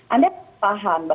anda paham mbak